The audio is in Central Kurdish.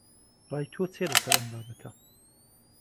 ڕای تۆ چییە لەسەر ئەم بابەتە؟